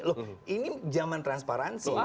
loh ini zaman transparansi